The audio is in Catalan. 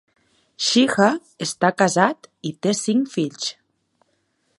Shija està casat i té cinc fills.